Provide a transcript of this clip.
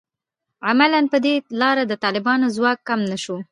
عملاً په دې لاره د طالبانو ځواک کم نه شو